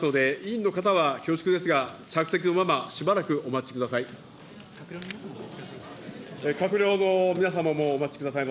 理事会を再開しますので委員の方は恐縮ですが着席のまま、しばらくお待ちください。